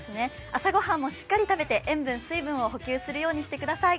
朝御飯もしっかり食べて塩分、水分を補給するようにしてください。